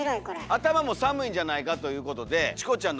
頭も寒いんじゃないかということでチコちゃんの帽子。